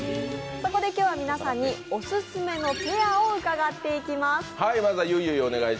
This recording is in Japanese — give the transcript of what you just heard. そこで今日は皆さんにオススメのペアをうかがっていきます。